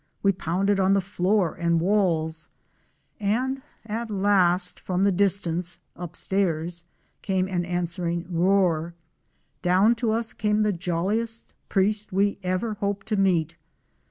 We called and shouted, we pounded on the floor and walls, and at last from the distance — upstairs — came an answering roar. Down to us came the jolliest priest we ever hope to meet.